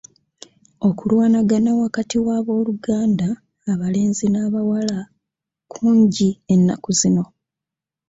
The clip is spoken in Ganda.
Okulwanagana wakati w'abooluganda abalenzi n'abawala kungi ennaku zino.